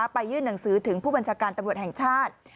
ไปยื่นหนังสือถึงผู้บัญชาการตำรวจแห่งชาติ